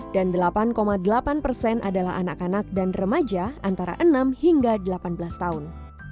dan delapan delapan persen adalah anak anak dan remaja antara enam hingga delapan belas tahun